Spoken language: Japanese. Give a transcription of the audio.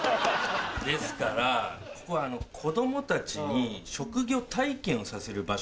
ですからここは子供たちに職業体験をさせる場所なんですよ。